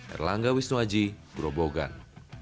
erlangga wisnuaji grobogan